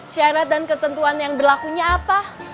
syarat dan ketentuan yang berlakunya apa